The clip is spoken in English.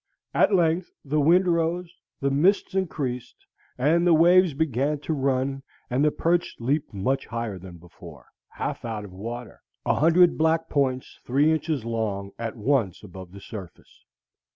At length the wind rose, the mist increased, and the waves began to run, and the perch leaped much higher than before, half out of water, a hundred black points, three inches long, at once above the surface.